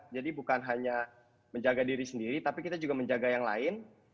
jadi bukan hanya menjaga diri sendiri tapi kita juga menjaga yang lain